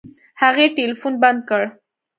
هغې ټلفون بند کړ.